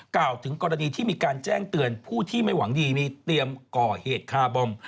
กล่าวถึงกรณีที่มีการแจ้งเตือนผู้ที่ไม่หวังดีมีเตรียมก่อเหตุคาร์บอม